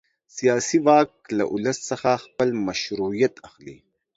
سیاسي واک له ولس څخه خپل مشروعیت اخلي.